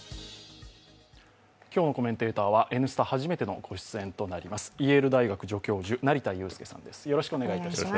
今日のコメンテーターは「Ｎスタ」初めての御出演となりますイェール大学助教授、成田悠輔さんです。